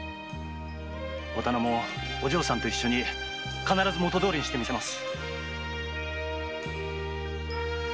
お店もお嬢さんと一緒に必ず元どおりにしてみせます。